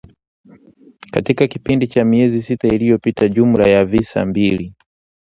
Katika kipindi cha miezi sita iliyopita jumla ya visa mbili